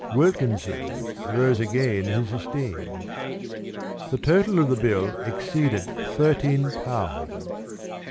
Wilkins's rose again in his esteem. The total of the bill exceeded thirteen pounds.